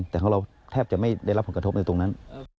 แต่ของเราแทบจะไม่ได้รับผลกระทบในตรงนั้น